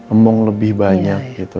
emong lebih banyak gitu